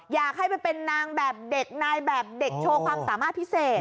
อยากให้ไปเป็นนางแบบเด็กนายแบบเด็กโชว์ความสามารถพิเศษ